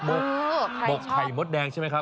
หมวกไข่มดแดงใช่มั้ยครับ